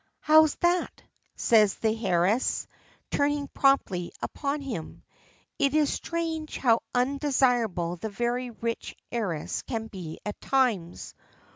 "How's that?" says the heiress, turning promptly upon him. It is strange how undesirable the very richest heiress can be at times.